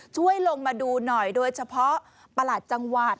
ช่วยลงมาดูหน่อยโดยเฉพาะประหลัดจังหวัด